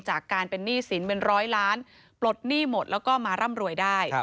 จากการเป็นหนี้สินเป็นร้อยล้านปลดหนี้หมดแล้วก็มาร่ำรวยได้